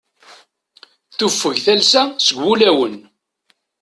Tuffeg talsa seg wulawen.